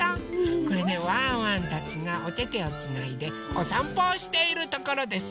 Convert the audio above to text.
これねワンワンたちがおててをつないでおさんぽをしているところです。